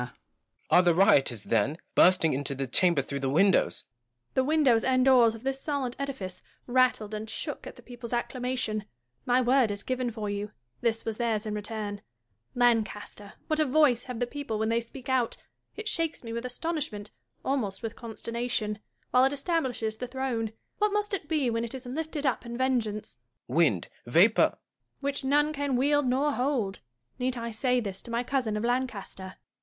Gaunt (running back toward Joanna). Are the rioters, then, bursting into the chamber through the windows 1 Joanna. The windows and doors of this solid edifice rattled and shook at the people's acclamation. My word is given for you : this was theirs in return. Lancaster ! what a voice have the people when they speak out ! It shakes mo with astonishment, almost with consternation, while it establishes the throne : what must it be when it is lifted up in vengeance ! Gaunt. Wind ; vapour Joanna. Which none can wield nor hold. Need I say this to my cousin of Lancaster